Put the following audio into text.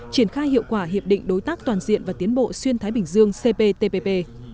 triển khai hiệu quả hiệp định đối tác toàn diện và tiến bộ xuyên thái bình dương cptpp